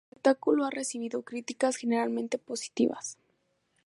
El espectáculo ha recibido críticas generalmente positivas.